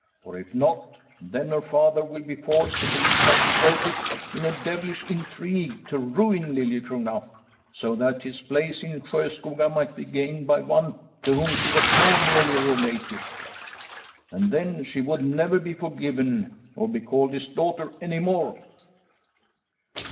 For if not, then her father will be forced to believe that she wrote it in a devilish intrigue to ruin Liliecrona, so that his place in Sjoskoga might be gained by one to whom she was more nearly related. And then she would never be forgiven nor be called his daughter any more."